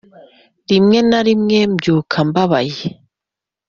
rimwe na rimwe mbyuka mbabaye